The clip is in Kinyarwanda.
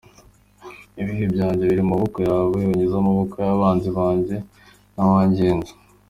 Ibihe byanjye biri mu maboko yawe, Unkize amaboko y’abanzi banjye n’abangenza